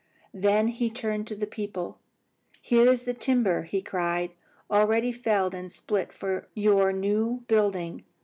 Then he turned to the people, "Here is the timber," he cried, "already felled and split for your new building.